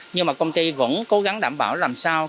nhưng mà công ty vẫn cố gắng đảm bảo làm sao